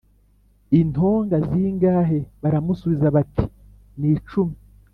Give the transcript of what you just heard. Intonga zingahe baramusubiza bati ni cumi